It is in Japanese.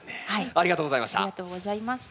ありがとうございます。